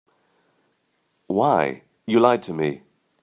Why, you lied to me.